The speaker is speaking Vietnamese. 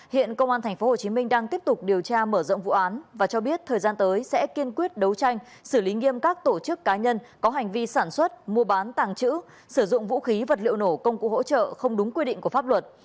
hiện công an tp hcm đang tiếp tục điều tra mở rộng vụ án và cho biết thời gian tới sẽ kiên quyết đấu tranh xử lý nghiêm các tổ chức cá nhân có hành vi sản xuất mua bán tàng trữ sử dụng vũ khí vật liệu nổ công cụ hỗ trợ không đúng quy định của pháp luật